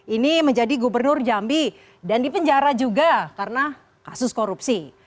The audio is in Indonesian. ini menjadi gubernur jambi dan dipenjara juga karena kasus korupsi